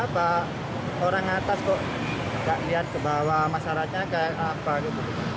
bagian kebawah masyarakatnya kayak apa gitu